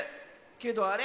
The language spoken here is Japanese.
けどあれ？